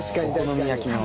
お好み焼きの。